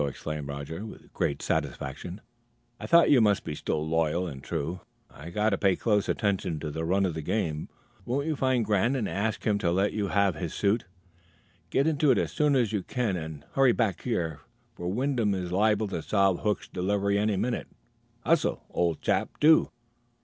exclaimed Roger, with great satisfaction; "I thought you must be still loyal and true. I've got to pay close attention to the run of the game. Won't you find Grant and ask him to let you have his suit? Get into it as soon as you can, and hurry back here; for Wyndham is liable to solve Hook's delivery any minute. Hustle, old chap do."